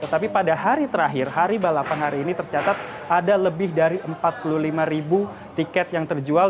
tetapi pada hari terakhir hari balapan hari ini tercatat ada lebih dari empat puluh lima ribu tiket yang terjual